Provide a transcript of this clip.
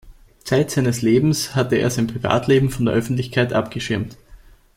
Zeit seines Lebens hatte er sein Privatleben von der Öffentlichkeit abgeschirmt.